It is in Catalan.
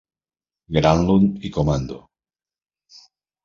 Granlund i comando